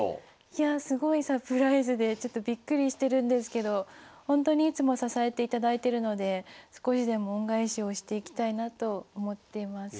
いやあすごいサプライズでちょっとびっくりしてるんですけどほんとにいつも支えていただいてるので少しでも恩返しをしていきたいなと思っています。